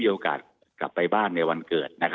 โอกาสกลับไปบ้านในวันเกิด